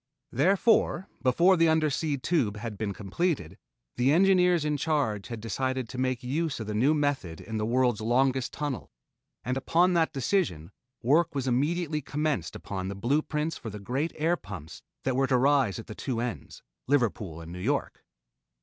Therefore, before the Undersea Tube had been completed, the engineers in charge had decided to make use of the new method in the world's longest tunnel, and upon that decision work was immediately commenced upon the blue prints for the great air pumps that were to rise at the two ends Liverpool and New York.